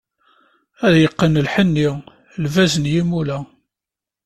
Ad yeqqen lḥenni, lbaz n yimula.